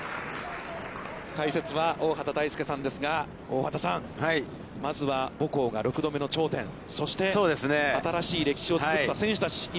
解説は大畑大介さんですが、大畑さん、まずは母校が６度目の頂点、そして新しい歴史をつくった選手たち